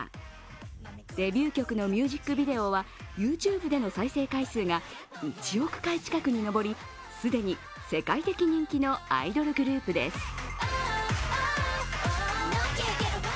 デビュー曲のミュージックビデオはＹｏｕＴｕｂｅでの再生回数が１億回近くに上りすでに世界的人気のアイドルグループです。